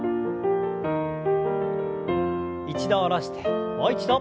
一度下ろしてもう一度。